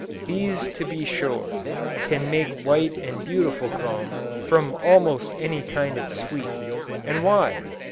Bees to be sure, can make white and beautiful comb, from almost any kind of sweet; and why?